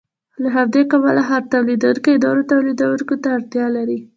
له همدې کبله هر تولیدونکی نورو تولیدونکو ته اړتیا لري